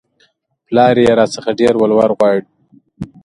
پلار يې راڅخه ډېر ولور غواړي